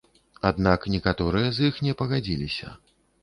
Аднак некаторыя з іх не пагадзіліся.